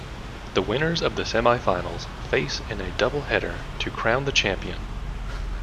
The winners of the semifinals face in a double header to crown the champion.